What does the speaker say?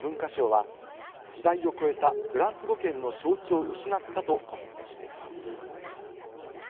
フランスの文化省は時代を超えたフランス語圏の象徴を失ったとコメントしています。